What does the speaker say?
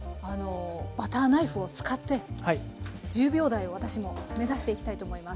バターナイフを使って１０秒台を私も目指していきたいと思います。